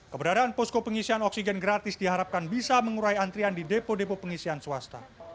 keberadaan posko pengisian oksigen gratis diharapkan bisa mengurai antrian di depo depo pengisian swasta